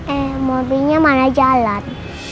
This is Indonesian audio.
eh mobilnya mana jalan